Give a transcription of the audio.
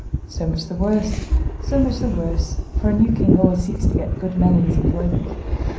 "So much the worse! so much the worse! for a new king always seeks to get good men in his employment."